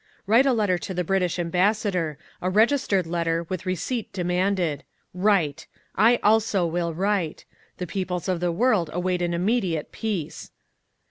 'Write a letter to the British ambassador, a registered letter with receipt demanded. Write! I also will write! The peoples of the world await an immediate peace!